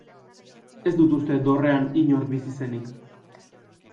Ez dut uste dorrean inor bizi zenik.